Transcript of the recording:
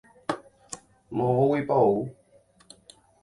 Moõguipa ou.